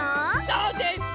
そうです。